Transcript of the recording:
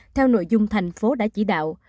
theo nội dung thành phố đã chỉ đạo